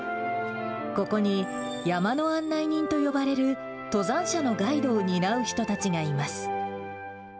ここに、山の案内人と呼ばれる登山者のガイドを担う人たちがいます。